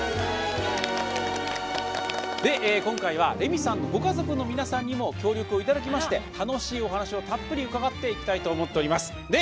今回は、レミさんのご家族の皆さんにも協力をいただきまして楽しいお話をたっぷり伺っていきたいと思っております。